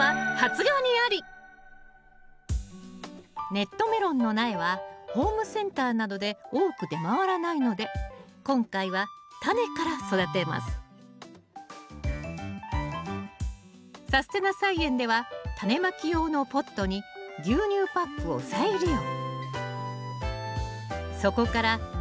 ネットメロンの苗はホームセンターなどで多く出回らないので今回はタネから育てます「さすてな菜園」ではタネまき用のポットに牛乳パックを再利用。